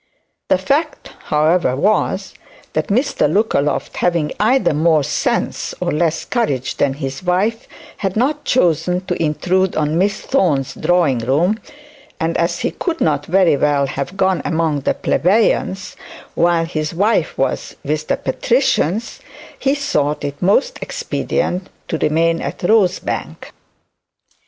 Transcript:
The fact however was that Mr Lookaloft, having either more sense or less courage than his wife, had not chosen to intrude on Miss Thorne's drawing room; and as he could not very well have gone among the plebeians while his wife was with the patricians, he thought it most expedient to remain at Rosebank.